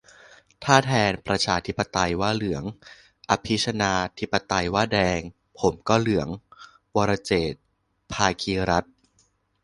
ถ้าแทนประชาธิปไตยว่าเหลือง อภิชนาธิปไตยว่าแดง ผมก็เหลือง - วรเจตน์ ภาคีรัตน์